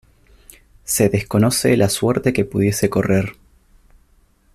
Se desconoce la suerte que pudiese correr.